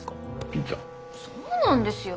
そうなんですよ。